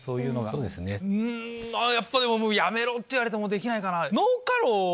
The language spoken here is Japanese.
でもやめろって言われてもできないかなぁ。